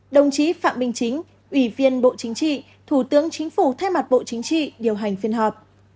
đồng chí phạm minh chính ủy viên bộ chính trị thủ tướng chính phủ thay mặt bộ chính trị điều hành phiên họp